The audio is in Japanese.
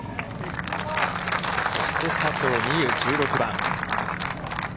そして佐藤心結、１６番。